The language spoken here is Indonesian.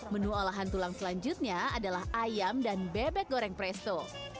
menu olahan tulang selanjutnya adalah ayam dan bebek goreng presto